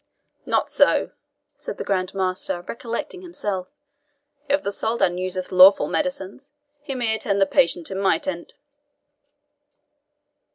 "Not so," said the Grand Master, recollecting himself. "If the Soldan useth lawful medicines, he may attend the patient in my tent."